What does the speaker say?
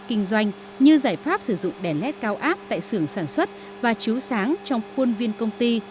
kinh doanh như giải pháp sử dụng đèn led cao áp tại xưởng sản xuất và chiếu sáng trong khuôn viên công ty